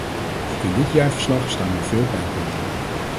Ook in dit jaarverslag staan weer veel pijnpunten.